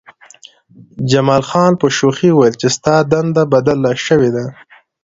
جمال خان په شوخۍ وویل چې ستا دنده بدله شوې ده